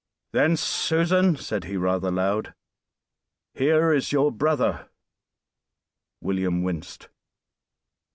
"Then, Susan," said he, rather loud, "here is your brother." William winced.